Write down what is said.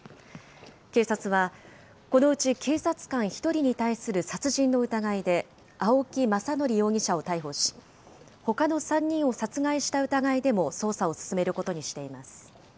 警察は、このうち警察官１人に対する殺人の疑いで、青木政憲容疑者を逮捕し、ほかの３人を殺害した疑いでも捜査を進めることにしています。